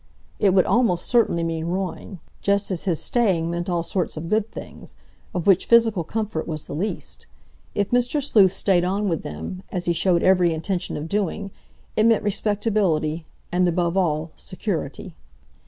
It would almost certainly mean ruin; just as his staying meant all sorts of good things, of which physical comfort was the least. If Mr. Sleuth stayed on with them, as he showed every intention of doing, it meant respectability, and, above all, security.